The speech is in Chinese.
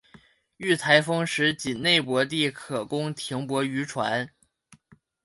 遇台风时仅内泊地可供停泊渔船。